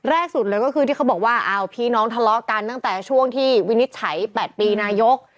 แรกสุดเลยก็คือที่เขาบอกว่าอ้าวพี่น้องทะเลาะกันตั้งแต่ช่วงที่วินิจฉัย๘ปีนายก